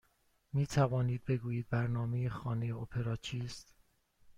می توانید بگویید برنامه خانه اپرا چیست؟